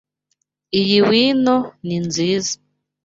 Iyi wino ninziza.